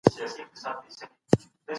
زموږ د پلرونو او نېکونو ژبه پښتو وه